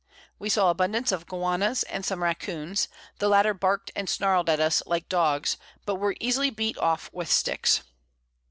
We saw abundance of Guanas, and some Raccoons; the latter bark'd and snarl'd at us like Dogs, but were easily beat off with Sticks.